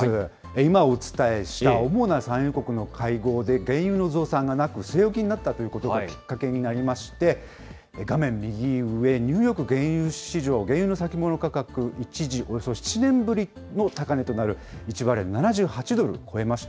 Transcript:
今、お伝えした主な産油国の会合で、原油の増産がなく、据え置きになったということがきっかけになりまして、画面右上、ニューヨーク原油市場、原油の先物価格、一時およそ７年ぶりの高値となる１バレル７８ドル超えました。